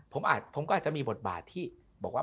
ผมก็อาจจะมีบทบาทที่บอกว่า